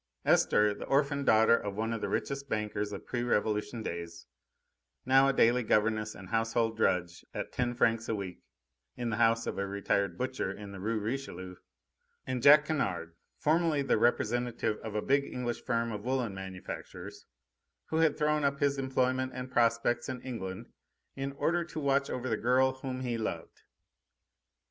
Esther, the orphaned daughter of one of the richest bankers of pre Revolution days, now a daily governess and household drudge at ten francs a week in the house of a retired butcher in the Rue Richelieu, and Jack Kennard, formerly the representative of a big English firm of woollen manufacturers, who had thrown up his employment and prospects in England in order to watch over the girl whom he loved.